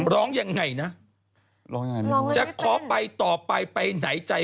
ร้องยังไงนะ